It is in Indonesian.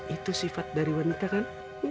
itu sifat dari wanita kan